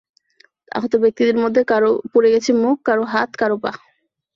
আহত ব্যক্তিদের মধ্যে কারও পুড়ে গেছে মুখ, কারও হাত, কারও পা।